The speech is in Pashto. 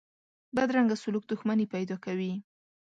بدرنګه سلوک دښمني پیدا کوي